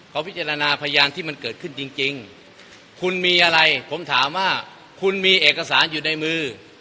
เขาพิจารณาพยานที่มันเกิดขึ้นจริงคุณมีอะไรผมถามว่าคุณมีเอกสารอยู่ในมือ